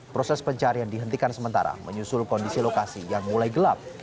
proses pencarian dihentikan sementara menyusul kondisi lokasi yang mulai gelap